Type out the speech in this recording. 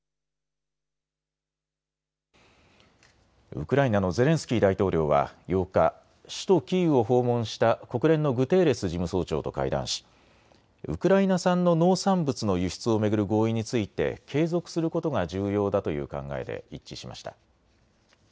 ウクライナのゼレンスキー大統領は８日、首都キーウを訪問した国連のグテーレス事務総長と会談しウクライナ産の農産物の輸出を巡る合意について継続することが重要だという考えで一致しました。